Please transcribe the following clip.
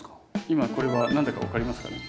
今これは何だか分かりますかね？